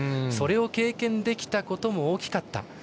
それを経験できたことも大きかった。